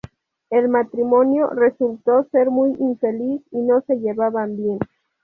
El matrimonio resultó ser muy infeliz y no se llevaban bien.